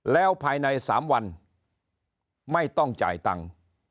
แล้วภายใน๓วันไม่ต้องจ่ายตังค์